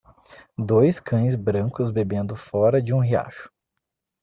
dois cães brancos bebendo fora de um riacho